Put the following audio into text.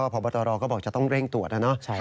พอบรรตรอก็บอกจะต้องเร่งตรวจนะ